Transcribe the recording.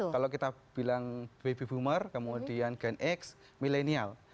kalau kita bilang baby boomer kemudian gen x milenial